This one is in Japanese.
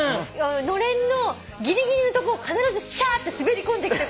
のれんのギリギリのとこを必ずシャーって滑り込んできて。